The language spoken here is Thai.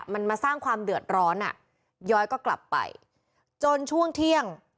มันมาสร้างความเดือดร้อนอ่ะย้อยก็กลับไปจนช่วงเที่ยง